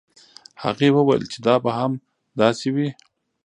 هغې وویل چې دا به هم داسې وي.